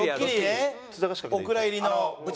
お蔵入りの。